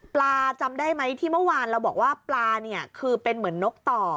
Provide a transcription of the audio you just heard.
จำได้ไหมที่เมื่อวานเราบอกว่าปลาเนี่ยคือเป็นเหมือนนกต่อ